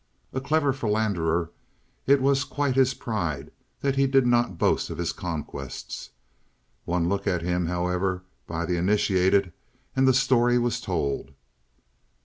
A clever philanderer, it was quite his pride that he did not boast of his conquests. One look at him, however, by the initiated, and the story was told.